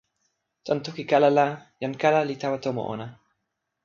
tan toki kala la, jan kala li tawa tomo ona.